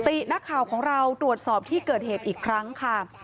ตินักข่าวของเราตรวจสอบที่เกิดเหตุอีกครั้งค่ะ